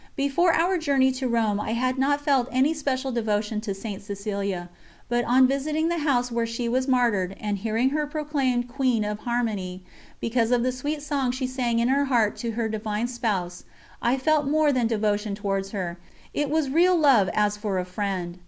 Before our journey to Rome I had not felt any special devotion to St. Cecilia, but on visiting the house where she was martyred, and hearing her proclaimed "Queen of harmony" because of the sweet song she sang in her heart to her Divine Spouse I felt more than devotion towards her, it was real love as for a friend.